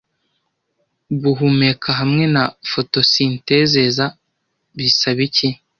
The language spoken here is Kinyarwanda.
Guhumeka hamwe na fotosintezeza bisaba iki